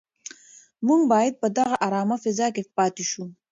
موږ باید په دغه ارامه فضا کې پاتې شو.